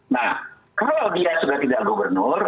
nah kalau dia sudah tidak gubernur